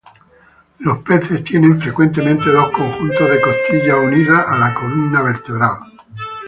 Los peces tienen frecuentemente dos conjuntos de costillas unidas a la columna vertebral.